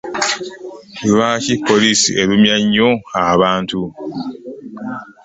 Lwaki poliisi erumya nnyo abantu?